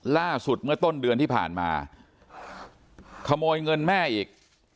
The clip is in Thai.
ล่าสุดเมื่อต้นเดือนที่ผ่านมาขโมยเงินแม่อีก